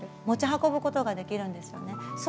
持ち運ぶことができるんです。